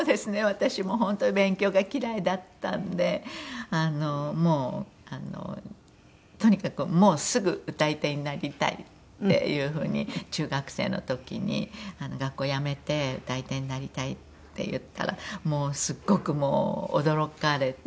私も本当勉強が嫌いだったんであのもうとにかくもうすぐ歌い手になりたいっていう風に中学生の時に「学校辞めて歌い手になりたい」って言ったらもうすごく驚かれて。